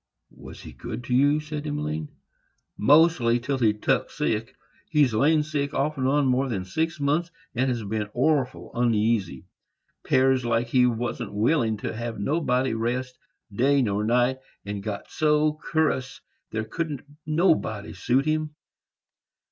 "Was he good to you?" said Emmeline. "Mostly, till he tuk sick. He's lain sick, off and on, more than six months, and been orful oneasy. 'Pears like he warn't willin' to have nobody rest, day nor night; and got so cur'ous, there couldn't nobody suit him.